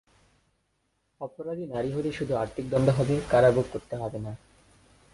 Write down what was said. অপরাধী নারী হলে শুধু আর্থিক দণ্ড হবে, কারাভোগ করতে হবে না।